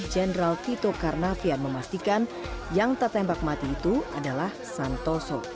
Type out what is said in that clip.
jenderal tito karnavian memastikan yang tertembak mati itu adalah santoso